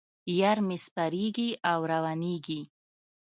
یار مې سپریږي او روانېږي.